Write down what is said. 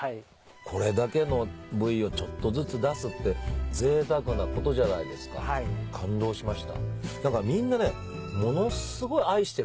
これだけの部位をちょっとずつ出すってぜいたくなことじゃないですか感動しました。